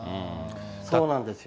そうなんですよ。